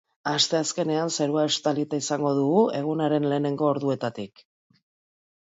Asteazkenean, zerua estalita izango dugu, egunaren lehengo orduetatik.